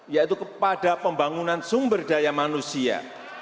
yaitu kepada pembangunan sumber daya manusia